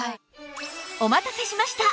お待たせしました！